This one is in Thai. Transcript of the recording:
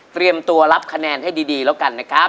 เตรียมตัวรับคะแนนให้ดีแล้วกันนะครับ